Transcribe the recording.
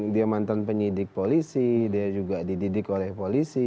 dia mantan penyidik polisi dia juga dididik oleh polisi